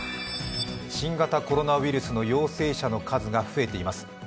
新型コロナウイルスの陽性者の数が増えています。